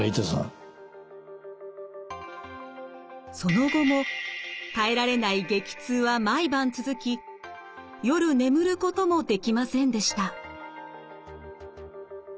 その後も耐えられない激痛は毎晩続き夜眠ることもできませんでした。